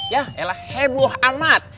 yah elah heboh amat